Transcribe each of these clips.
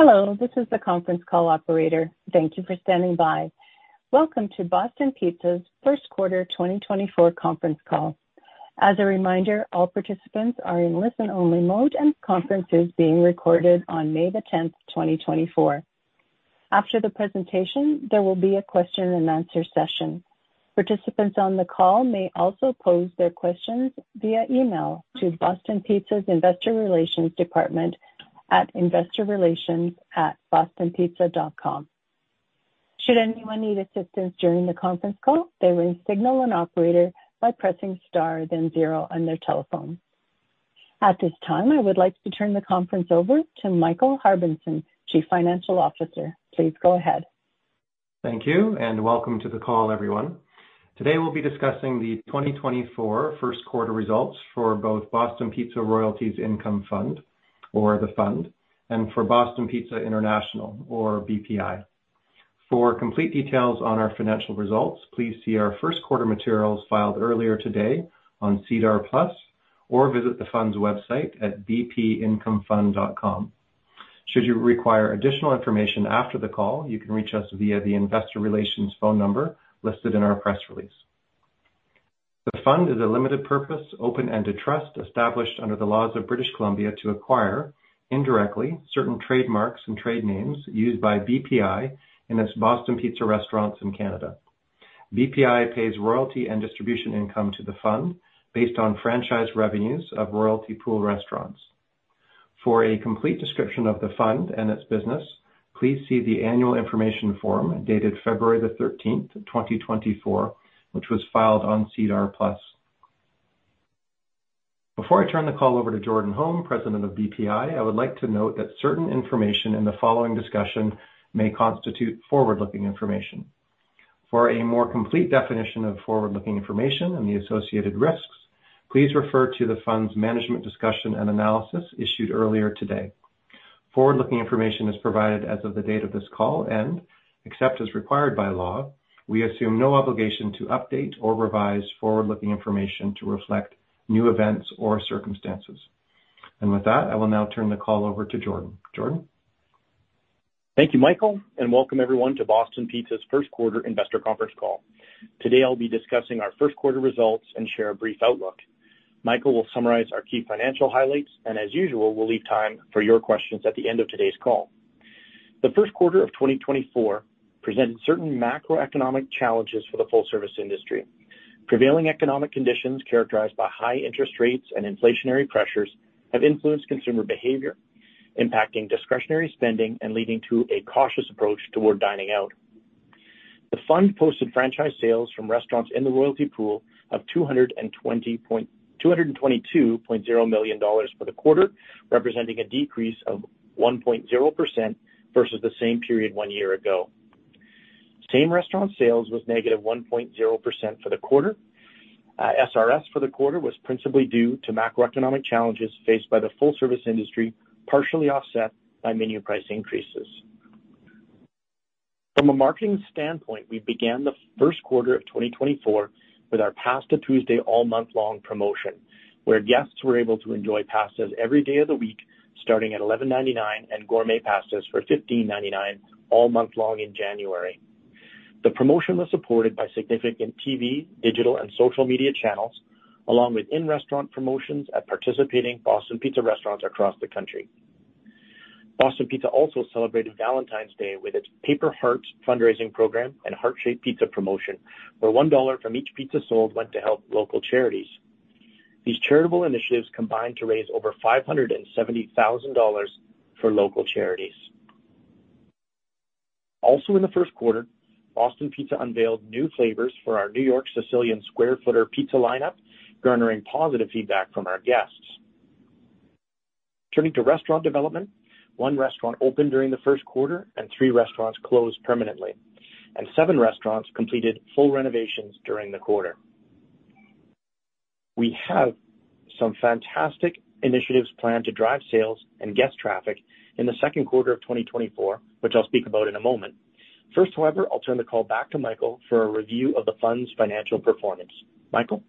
Hello, this is the conference call operator. Thank you for standing by. Welcome to Boston Pizza's first quarter 2024 conference call. As a reminder, all participants are in listen-only mode and conference is being recorded on May 10th, 2024. After the presentation, there will be a question-and-answer session. Participants on the call may also pose their questions via email to Boston Pizza's Investor Relations Department at investorrelations@bostonpizza.com. Should anyone need assistance during the conference call, they can signal the operator by pressing star, then zero on their telephone. At this time, I would like to turn the conference over to Michael Harbinson, Chief Financial Officer. Please go ahead. Thank you and welcome to the call, everyone. Today we'll be discussing the 2024 first quarter results for both Boston Pizza Royalties Income Fund, or the Fund, and for Boston Pizza International, or BPI. For complete details on our financial results, please see our first quarter materials filed earlier today on SEDAR+ or visit the Fund's website at bpincomefund.com. Should you require additional information after the call, you can reach us via the Investor Relations phone number listed in our press release. The Fund is a limited-purpose, open-ended trust established under the laws of British Columbia to acquire, indirectly, certain trademarks and trade names used by BPI in its Boston Pizza restaurants in Canada. BPI pays royalty and distribution income to the Fund based on franchise revenues of royalty pool restaurants. For a complete description of the Fund and its business, please see the Annual Information Form dated February 13th, 2024, which was filed on SEDAR+. Before I turn the call over to Jordan Holm, President of BPI, I would like to note that certain information in the following discussion may constitute forward-looking information. For a more complete definition of forward-looking information and the associated risks, please refer to the Fund's Management's Discussion and Analysis issued earlier today. Forward-looking information is provided as of the date of this call and, except as required by law, we assume no obligation to update or revise forward-looking information to reflect new events or circumstances. And with that, I will now turn the call over to Jordan. Jordan? Thank you, Michael, and welcome, everyone, to Boston Pizza's first quarter investor conference call. Today I'll be discussing our first quarter results and share a brief outlook. Michael will summarize our key financial highlights and, as usual, we'll leave time for your questions at the end of today's call. The first quarter of 2024 presented certain macroeconomic challenges for the full-service industry. Prevailing economic conditions characterized by high interest rates and inflationary pressures have influenced consumer behavior, impacting discretionary spending and leading to a cautious approach toward dining out. The Fund posted Franchise Sales from restaurants in the Royalty Pool of 222.0 million dollars for the quarter, representing a decrease of 1.0% versus the same period one year ago. Same restaurant sales was -1.0% for the quarter. SRS for the quarter was principally due to macroeconomic challenges faced by the full-service industry, partially offset by menu price increases. From a marketing standpoint, we began the first quarter of 2024 with our Pasta Tuesday all-month-long promotion, where guests were able to enjoy pastas every day of the week starting at CAD 11.99 and gourmet pastas for CAD 15.99 all month long in January. The promotion was supported by significant TV, digital, and social media channels, along with in-restaurant promotions at participating Boston Pizza restaurants across the country. Boston Pizza also celebrated Valentine's Day with its Paper Hearts fundraising program and Heart-Shaped Pizza promotion, where 1 dollar from each pizza sold went to help local charities. These charitable initiatives combined to raise over 570,000 dollars for local charities. Also in the first quarter, Boston Pizza unveiled new flavors for our New York Sicilian Square Footer pizza lineup, garnering positive feedback from our guests. Turning to restaurant development, one restaurant opened during the first quarter and three restaurants closed permanently, and seven restaurants completed full renovations during the quarter. We have some fantastic initiatives planned to drive sales and guest traffic in the second quarter of 2024, which I'll speak about in a moment. First, however, I'll turn the call back to Michael for a review of the Fund's financial performance. Michael?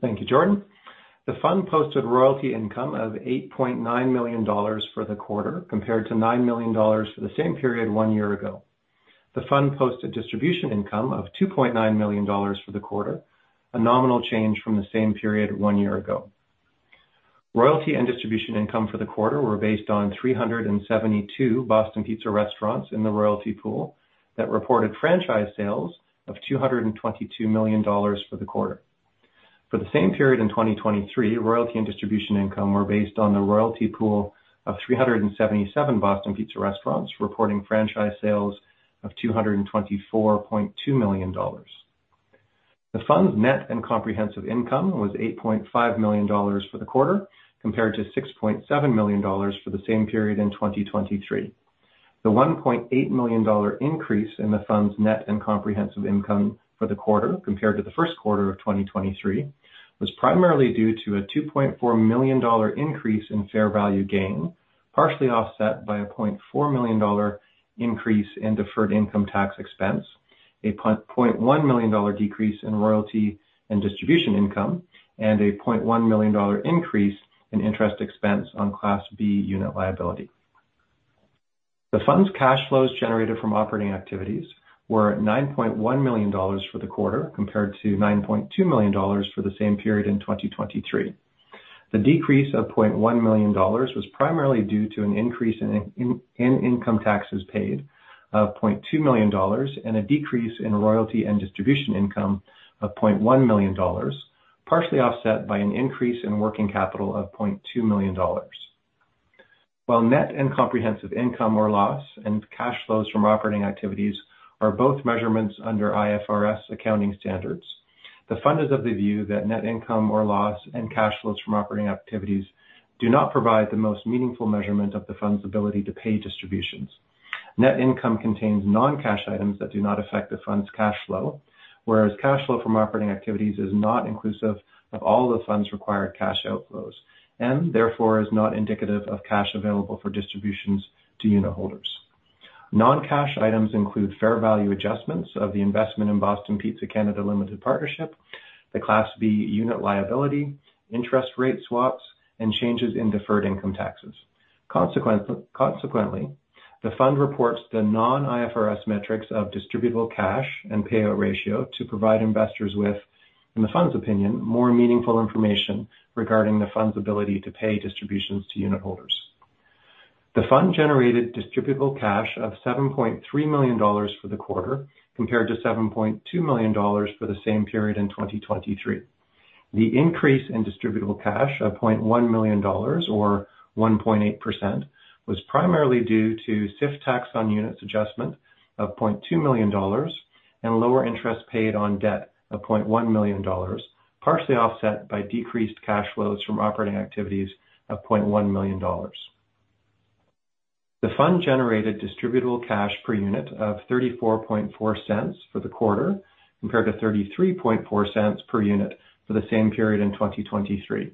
Thank you, Jordan. The Fund posted royalty income of 8.9 million dollars for the quarter, compared to 9 million dollars for the same period one year ago. The Fund posted distribution income of 2.9 million dollars for the quarter, a nominal change from the same period one year ago. Royalty and distribution income for the quarter were based on 372 Boston Pizza restaurants in the royalty pool that reported franchise sales of 222 million dollars for the quarter. For the same period in 2023, royalty and distribution income were based on the royalty pool of 377 Boston Pizza restaurants, reporting franchise sales of 224.2 million dollars. The Fund's net and comprehensive income was 8.5 million dollars for the quarter, compared to 6.7 million dollars for the same period in 2023. The 1.8 million dollar increase in the Fund's net and comprehensive income for the quarter, compared to the first quarter of 2023, was primarily due to a 2.4 million dollar increase in fair value gain, partially offset by a 0.4 million dollar increase in deferred income tax expense, a 0.1 million dollar decrease in royalty and distribution income, and a 0.1 million dollar increase in interest expense on Class B Unit liability. The Fund's cash flows generated from operating activities were 9.1 million dollars for the quarter, compared to 9.2 million dollars for the same period in 2023. The decrease of 0.1 million dollars was primarily due to an increase in income taxes paid of 0.2 million dollars and a decrease in royalty and distribution income of 0.1 million dollars, partially offset by an increase in working capital of 0.2 million dollars. While net and comprehensive income or loss and cash flows from operating activities are both measurements under IFRS accounting standards, the Fund is of the view that net income or loss and cash flows from operating activities do not provide the most meaningful measurement of the Fund's ability to pay distributions. Net income contains non-cash items that do not affect the Fund's cash flow, whereas cash flow from operating activities is not inclusive of all the Fund's required cash outflows and, therefore, is not indicative of cash available for distributions to unit holders. Non-cash items include fair value adjustments of the investment in Boston Pizza Canada Limited Partnership, the Class B Unit liability, interest rate swaps, and changes in deferred income taxes. Consequently, the Fund reports the non-IFRS metrics of distributable cash and payout ratio to provide investors with, in the Fund's opinion, more meaningful information regarding the Fund's ability to pay distributions to unit holders. The Fund generated distributable cash of 7.3 million dollars for the quarter, compared to 7.2 million dollars for the same period in 2023. The increase in distributable cash of 0.1 million dollars, or 1.8%, was primarily due to SIFT tax on units adjustment of 0.2 million dollars and lower interest paid on debt of 0.1 million dollars, partially offset by decreased cash flows from operating activities of 0.1 million dollars. The Fund generated distributable cash per unit of 0.344 for the quarter, compared to 0.334 per unit for the same period in 2023.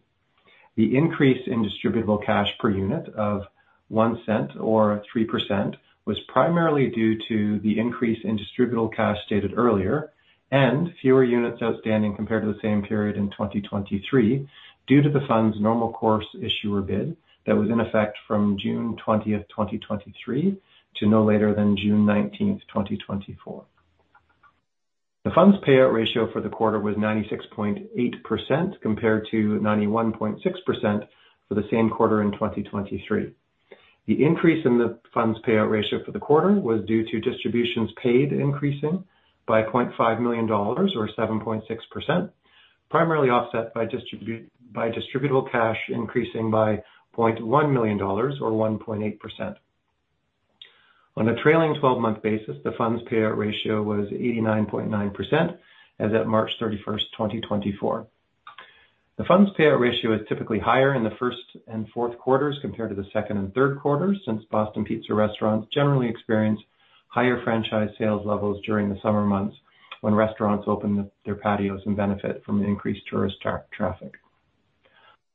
The increase in distributable cash per unit of 0.01, or 3%, was primarily due to the increase in distributable cash stated earlier and fewer units outstanding, compared to the same period in 2023, due to the Fund's normal course issuer bid that was in effect from June 20th, 2023, to no later than June 19th, 2024. The Fund's payout ratio for the quarter was 96.8%, compared to 91.6% for the same quarter in 2023. The increase in the Fund's payout ratio for the quarter was due to distributions paid increasing by 0.5 million dollars, or 7.6%, primarily offset by distributable cash increasing by 0.1 million dollars, or 1.8%. On a trailing 12-month basis, the Fund's payout ratio was 89.9% as of March 31st, 2024. The Fund's payout ratio is typically higher in the first and fourth quarters compared to the second and third quarters, since Boston Pizza restaurants generally experience higher franchise sales levels during the summer months when restaurants open their patios and benefit from increased tourist traffic.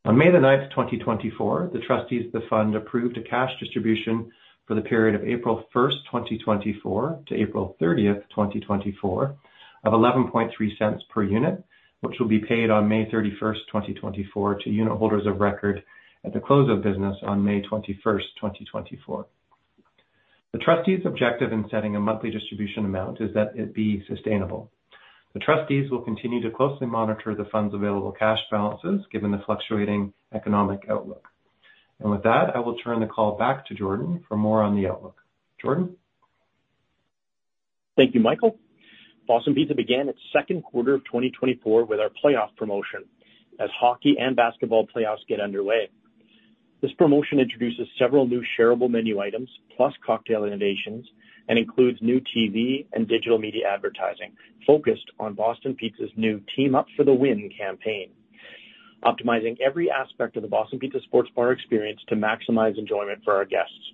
On May 9th, 2024, the trustees of the Fund approved a cash distribution for the period of April 1st, 2024, to April 30th, 2024, of 0.113 per unit, which will be paid on May 31st, 2024, to unit holders of record at the close of business on May 21st, 2024. The trustees' objective in setting a monthly distribution amount is that it be sustainable. The trustees will continue to closely monitor the Fund's available cash balances, given the fluctuating economic outlook. With that, I will turn the call back to Jordan for more on the outlook. Jordan? Thank you, Michael. Boston Pizza began its second quarter of 2024 with our playoff promotion as hockey and basketball playoffs get underway. This promotion introduces several new shareable menu items, plus cocktail innovations, and includes new TV and digital media advertising focused on Boston Pizza's new Team Up for the Win campaign, optimizing every aspect of the Boston Pizza Sports Bar experience to maximize enjoyment for our guests.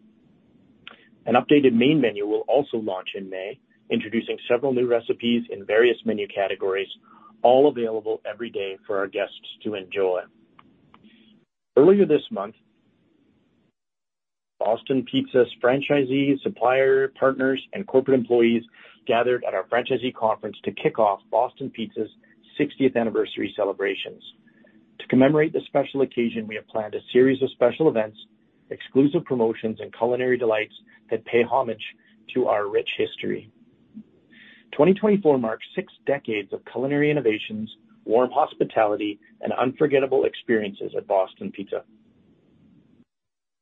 An updated main menu will also launch in May, introducing several new recipes in various menu categories, all available every day for our guests to enjoy. Earlier this month, Boston Pizza's franchisees, suppliers, partners, and corporate employees gathered at our franchisee conference to kick off Boston Pizza's 60th anniversary celebrations. To commemorate this special occasion, we have planned a series of special events, exclusive promotions, and culinary delights that pay homage to our rich history. 2024 marks six decades of culinary innovations, warm hospitality, and unforgettable experiences at Boston Pizza.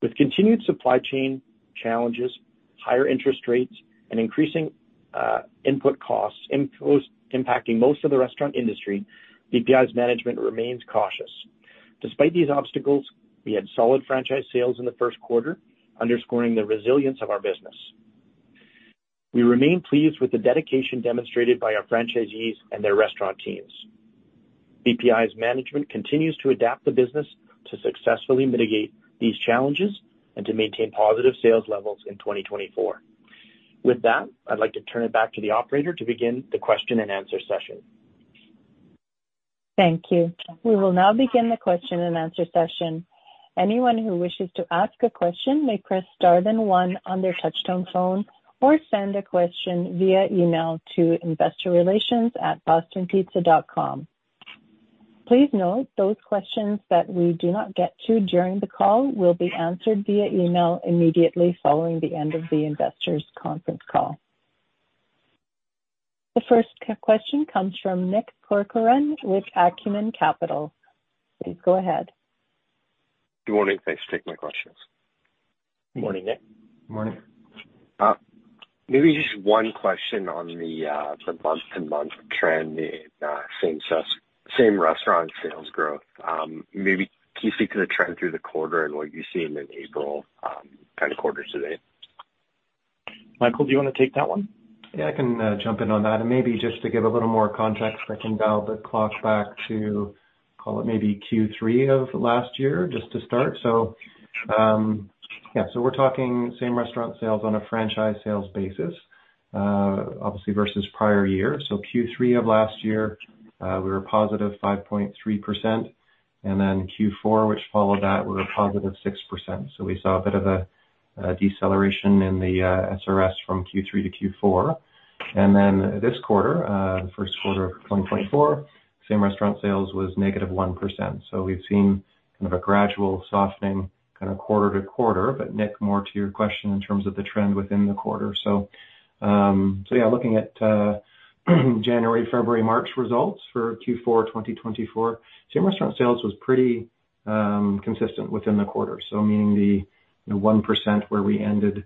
With continued supply chain challenges, higher interest rates, and increasing input costs impacting most of the restaurant industry, BPI's management remains cautious. Despite these obstacles, we had solid franchise sales in the first quarter, underscoring the resilience of our business. We remain pleased with the dedication demonstrated by our franchisees and their restaurant teams. BPI's management continues to adapt the business to successfully mitigate these challenges and to maintain positive sales levels in 2024. With that, I'd like to turn it back to the operator to begin the question and answer session. Thank you. We will now begin the question and answer session. Anyone who wishes to ask a question may press star then one on their touch-tone phone or send a question via email to investorrelations@bostonpizza.com. Please note, those questions that we do not get to during the call will be answered via email immediately following the end of the investors' conference call. The first question comes from Nick Corcoran with Acumen Capital. Please go ahead. Good morning. Thanks for taking my questions. Good morning, Nick. Good morning. Maybe just one question on the month-to-month trend in Same Restaurant Sales growth. Maybe can you speak to the trend through the quarter and what you see in the April kind of quarter today? Michael, do you want to take that one? Yeah, I can jump in on that. And maybe just to give a little more context, I can dial the clock back to, call it, maybe Q3 of last year, just to start. So yeah, so we're talking same restaurant sales on a franchise sales basis, obviously, versus prior year. So Q3 of last year, we were positive 5.3%. And then Q4, which followed that, we were positive 6%. So we saw a bit of a deceleration in the SRS from Q3 to Q4. And then this quarter, the first quarter of 2024, same restaurant sales was negative 1%. So we've seen kind of a gradual softening kind of quarter-over-quarter. But Nick, more to your question in terms of the trend within the quarter. So yeah, looking at January, February, March results for Q4 2024, same restaurant sales was pretty consistent within the quarter. So meaning the 1% where we ended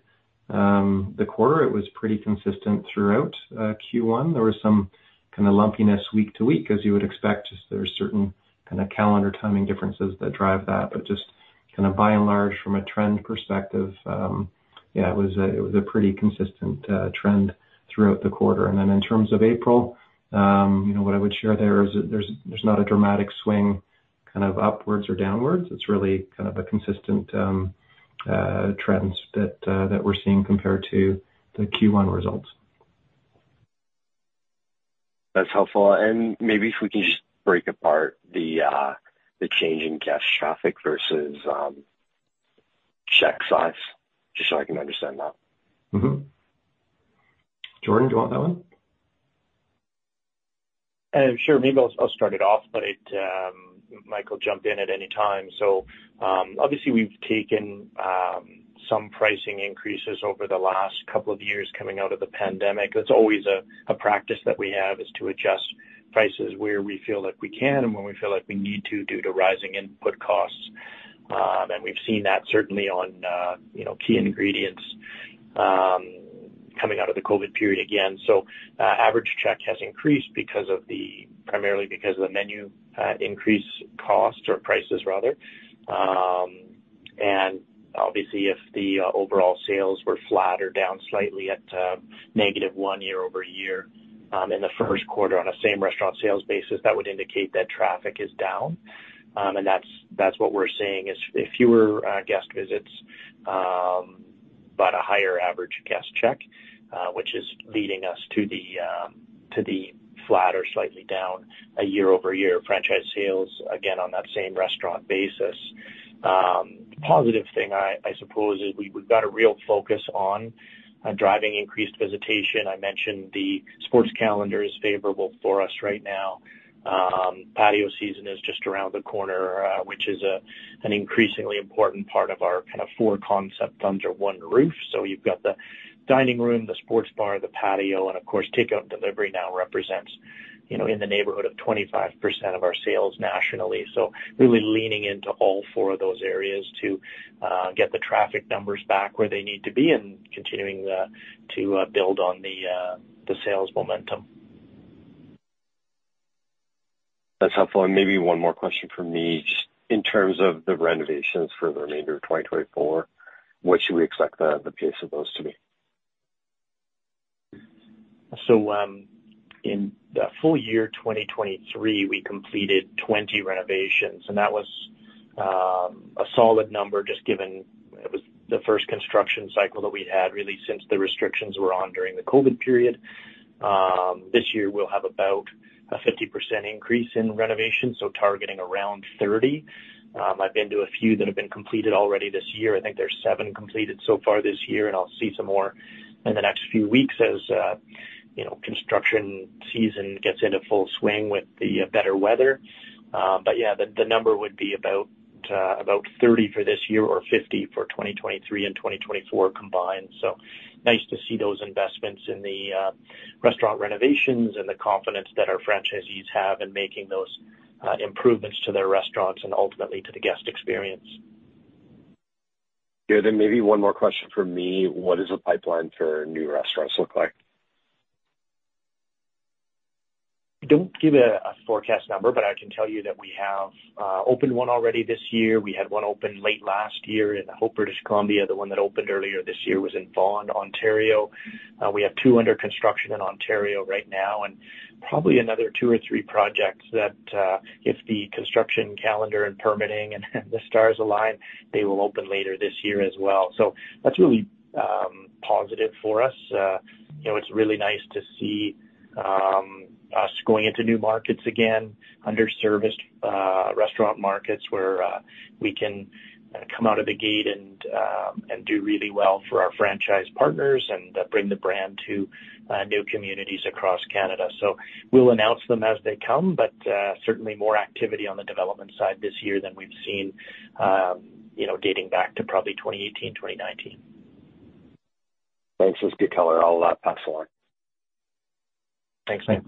the quarter, it was pretty consistent throughout Q1. There was some kind of lumpiness week to week, as you would expect. There's certain kind of calendar timing differences that drive that. But just kind of by and large, from a trend perspective, yeah, it was a pretty consistent trend throughout the quarter. And then in terms of April, what I would share there is there's not a dramatic swing kind of upwards or downwards. It's really kind of a consistent trend that we're seeing compared to the Q1 results. That's helpful. Maybe if we can just break apart the change in guest traffic versus check size, just so I can understand that. Jordan, do you want that one? Sure. Maybe I'll start it off, but Michael can jump in at any time. So obviously, we've taken some pricing increases over the last couple of years coming out of the pandemic. That's always a practice that we have, is to adjust prices where we feel like we can and when we feel like we need to due to rising input costs. And we've seen that, certainly, on key ingredients coming out of the COVID period again. So average check has increased primarily because of the menu increase costs, or prices, rather. And obviously, if the overall sales were flat or down slightly at -1% year-over-year in the first quarter on a same restaurant sales basis, that would indicate that traffic is down. And that's what we're seeing, is fewer guest visits but a higher average guest check, which is leading us to the flat or slightly down year-over-year franchise sales, again, on that same restaurant basis. The positive thing, I suppose, is we've got a real focus on driving increased visitation. I mentioned the sports calendar is favorable for us right now. Patio season is just around the corner, which is an increasingly important part of our kind of four-concept under one roof. So you've got the dining room, the sports bar, the patio. And of course, takeout and delivery now represents in the neighborhood of 25% of our sales nationally. So really leaning into all four of those areas to get the traffic numbers back where they need to be and continuing to build on the sales momentum. That's helpful. Maybe one more question from me. Just in terms of the renovations for the remainder of 2024, what should we expect the pace of those to be? In the full year 2023, we completed 20 renovations. That was a solid number, just given it was the first construction cycle that we'd had, really, since the restrictions were on during the COVID period. This year, we'll have about a 50% increase in renovations, so targeting around 30. I've been to a few that have been completed already this year. I think there's seven completed so far this year. I'll see some more in the next few weeks as construction season gets into full swing with the better weather. But yeah, the number would be about 30 for this year or 50 for 2023 and 2024 combined. Nice to see those investments in the restaurant renovations and the confidence that our franchisees have in making those improvements to their restaurants and ultimately to the guest experience. Good. And maybe one more question from me. What does the pipeline for new restaurants look like? Don't give a forecast number, but I can tell you that we have opened one already this year. We had one open late last year in Hope, British Columbia. The one that opened earlier this year was in Vaughan, Ontario. We have two under construction in Ontario right now and probably another two or three projects that, if the construction calendar and permitting and the stars align, they will open later this year as well. So that's really positive for us. It's really nice to see us going into new markets again, underserviced restaurant markets where we can come out of the gate and do really well for our franchise partners and bring the brand to new communities across Canada. So we'll announce them as they come, but certainly more activity on the development side this year than we've seen dating back to probably 2018, 2019. Thanks. This is good color. All that, excellent. Thanks, Nick.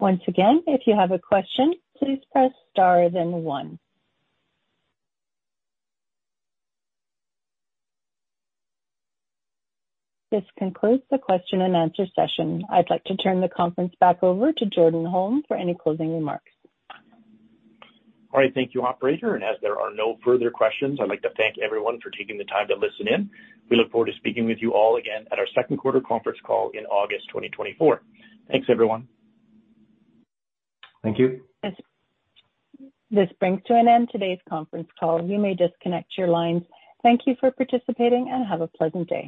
Once again, if you have a question, please press star then one. This concludes the question and answer session. I'd like to turn the conference back over to Jordan Holm for any closing remarks. All right. Thank you, operator. And as there are no further questions, I'd like to thank everyone for taking the time to listen in. We look forward to speaking with you all again at our second quarter conference call in August 2024. Thanks, everyone. Thank you. This brings to an end today's conference call. You may disconnect your lines. Thank you for participating, and have a pleasant day.